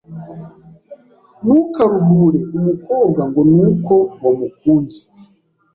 ntukaruhure umukobwa ngo ni uko wamukunze